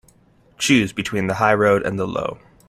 Choose between the high road and the low.